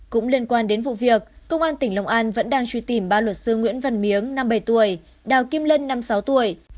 cũng liên quan đến vụ việc công an tỉnh long an vẫn đang truy tìm ba luật sư nguyễn văn miếng năm bảy tuổi đào kim lân năm mươi sáu tuổi